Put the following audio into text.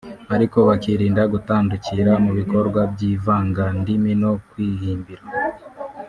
ariko bakirinda gutandukira mu bikorwa by’ivangandimi no kwihimbira